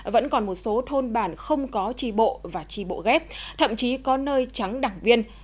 vẫn còn một số thôn bản không có tri bộ và tri bộ ghép thậm chí có nơi trắng đảng viên